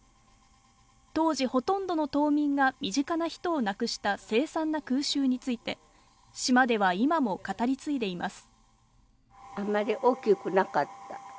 当時、ほとんどの島民が身近な人を亡くした凄惨な空襲について島では今も語り継いでいます。